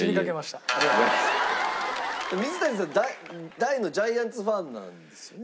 大のジャイアンツファンなんですよね。